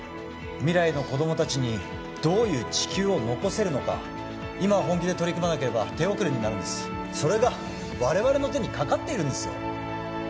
未来の子供達にどういう地球を残せるのか今本気で取り組まなければ手遅れになるんですそれが我々の手にかかっているんですよ